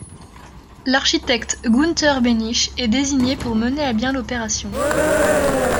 L'architecte Günter Behnisch est désigné pour mener à bien l'opération.